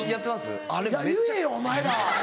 言えよお前ら！